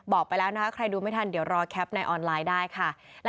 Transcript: ไปแล้วนะคะใครดูไม่ทันเดี๋ยวรอแคปในออนไลน์ได้ค่ะ